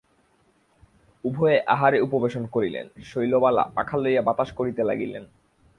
উভয়ে আহারে উপবেশন করিলেন, শৈলবালা পাখা লইয়া বাতাস করিতে লাগিলেন।